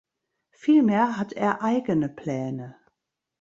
Vielmehr hat er eigene Pläne.